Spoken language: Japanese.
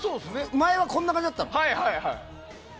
前はこんな感じだったの。